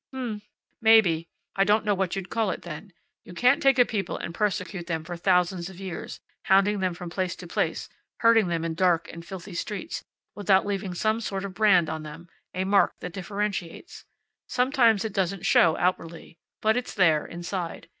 "H'm. Maybe. I don't know what you'd call it, then. You can't take a people and persecute them for thousands of years, hounding them from place to place, herding them in dark and filthy streets, without leaving some sort of brand on them a mark that differentiates. Sometimes it doesn't show outwardly. But it's there, inside.